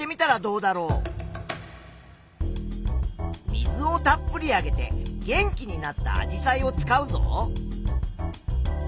水をたっぷりあげて元気になったアジサイを使うぞ。